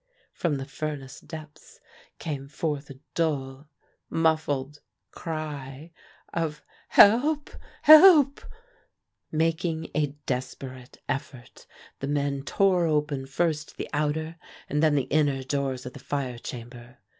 From the furnace depths came forth a dull, muffled cry of "Help! Help!" Making a desperate effort, the men tore open first the outer and then the inner doors of the fire chamber.